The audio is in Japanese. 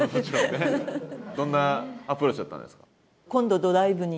どんなアプローチだったんですか？